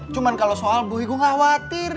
cuman kalau soal buhi gue gak khawatir